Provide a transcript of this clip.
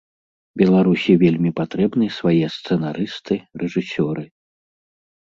Беларусі вельмі патрэбны свае сцэнарысты, рэжысёры.